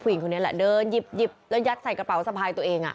ผู้หญิงคนนี้แหละเดินหยิบแล้วยัดใส่กระเป๋าสะพายตัวเอง